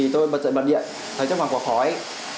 tôi bật dậy bật điện thấy chắc khoảng có khói